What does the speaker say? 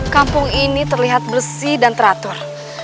kampung ini terlihat bersih dan teratur